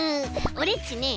オレっちね